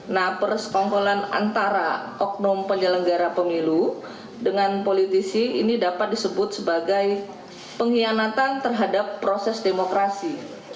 nah persekongkolan antara oknum penyelenggara pemilu dengan politisi ini dapat disebut sebagai pengkhianatan terhadap proses demokrasi